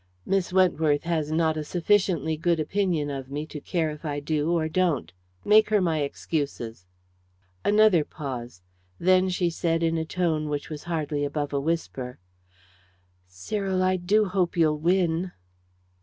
Miss Wentworth has not a sufficiently good opinion of me to care if I do or don't. Make her my excuses." Another pause. Then she said, in a tone which was hardly above a whisper "Cyril, I do hope you'll win."